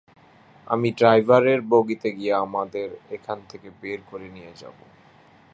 আমি ড্রাইভারের বগিতে গিয়ে আমাদের এখান থেকে বের করে নিয়ে যাবো।